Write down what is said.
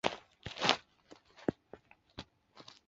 干草市场车站是苏格兰第八繁忙的车站。